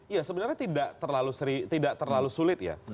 ya sebenarnya tidak terlalu sulit ya